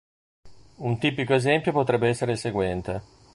Un tipico esempio potrebbe essere il seguente.